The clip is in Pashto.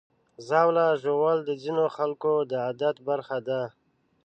ژاوله ژوول د ځینو خلکو د عادت برخه ده.